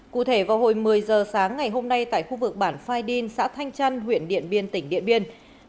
cụ thể vào hồi một mươi giờ sáng ngày hôm nay tại khu vực bản phai điên xã thanh trăn huyện điện biên tỉnh điện biên